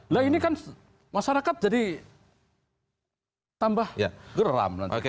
lah ini kan masyarakat jadi tambah geram